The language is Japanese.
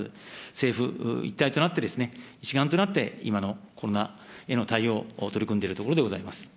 政府一体となって、一丸となって、今のコロナへの対応、取り組んでいるところでございます。